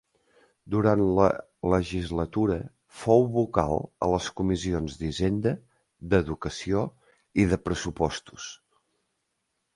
Durant la legislatura fou vocal a les comissions d'hisenda, d'educació i de pressupostos.